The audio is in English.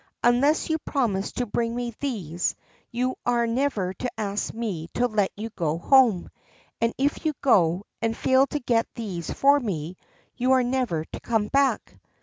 Unless you promise to bring me these, you are never to ask me to let you go home; and if you go, and fail to get these for me, you are never to come back."